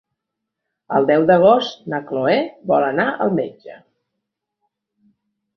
El deu d'agost na Chloé vol anar al metge.